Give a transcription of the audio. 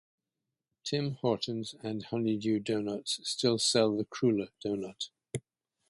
Tim Hortons, and Honey Dew Donuts still sell the Cruller doughnut.